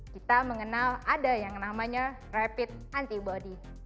kita mengenal ada yang namanya rapid antibody